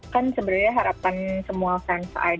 kan sebenarnya harapan semua fans ite